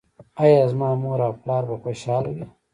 ایا زما مور او پلار به خوشحاله وي؟